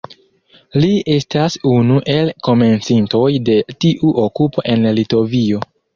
Li estas unu el komencintoj de tiu okupo en Litovio.